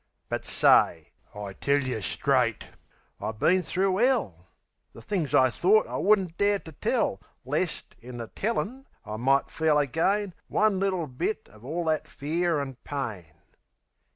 But say, I tell yeh straight...I been thro' 'ell! The things I thort I wouldn't dare to tell Lest, in the tellin' I might feel again One little part of all that fear an' pain.